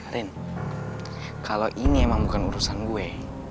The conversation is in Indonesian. rin kalau ini emang bukan urusan gue